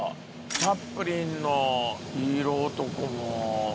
チャップリンの色男も。